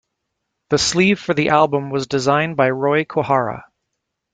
The sleeve for the album was designed by Roy Kohara.